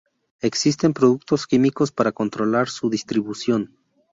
Existen productos químicos para controlar su distribución.